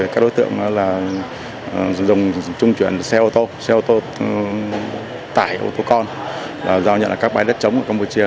các đối tượng dùng trung chuyển xe ô tô xe ô tô tải ô tô con do nhận là các bãi đất chống ở campuchia